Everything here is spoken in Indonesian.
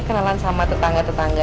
kenalan sama tetangga tetangga